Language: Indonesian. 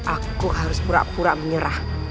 aku harus pura pura menyerah